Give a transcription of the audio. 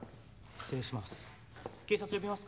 失礼します。